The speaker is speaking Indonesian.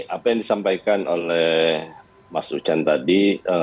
apa yang disampaikan oleh mas ucan tadi